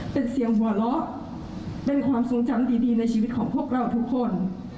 เป็นเสียงหัวเราะเป็นความทรงจำดีในชีวิตของพวกเราทุกคน